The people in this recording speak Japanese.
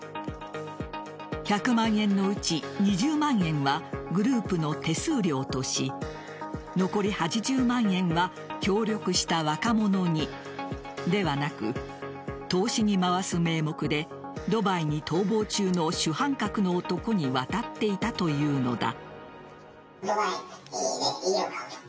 １００万円のうち２０万円はグループの手数料とし残り８０万円が協力した若者にではなく投資に回す名目でドバイに逃亡中の主犯格の男に渡っていたというのだ。